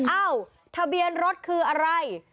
เอ้าทะเบียนรถคืออะไร